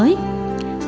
ngoài việc khai khởi